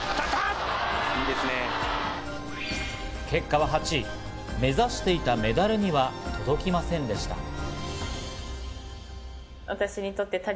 結果は８位、目指していたメダルには届きませんでした。